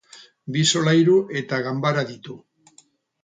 Bi solairu eta ganbara ditu.